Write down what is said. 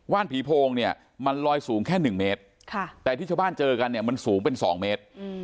ว่านผีโพงมันลอยสูงแค่๑เมตรแต่ที่ชาวบ้านเจอกันมันสูงเป็น๒เมตร